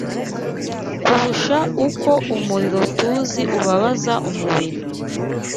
kurusha uko umuriro tuzi ubabaza umubiri